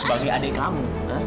sebagai adik kamu